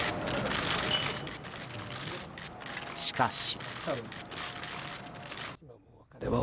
しかし。